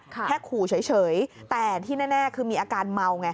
แค่ขู่เฉยแต่ที่แน่คือมีอาการเมาไง